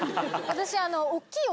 私。